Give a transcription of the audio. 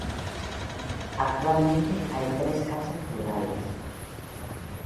Actualmente hay tres casas rurales.